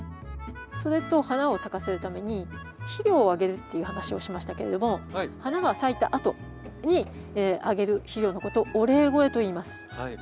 それと花を咲かせるために肥料をあげるっていう話をしましたけれども花が咲いたあとにあげる肥料のことをお礼肥といいます。